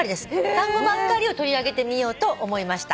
単語ばっかりを取り上げてみようと思いました。